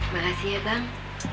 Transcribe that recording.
makasih ya bang